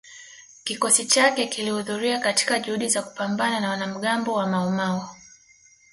Kikosi chake kilihudhuria katika juhudi za kupambana na wanamgambo wa Maumau